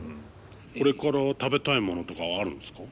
これから食べたいものとかはあるんですか？